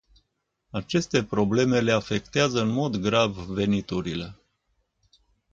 Aceste probleme le afectează în mod grav veniturile.